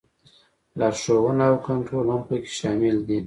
لارښوونه او کنټرول هم پکې شامل دي.